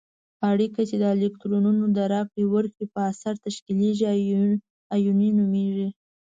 اړیکه چې د الکترونونو د راکړې ورکړې په اثر تشکیلیږي آیوني نومیږي.